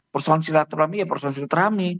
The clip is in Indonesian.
persoalan silaturahmi ya persoalan silaturahmi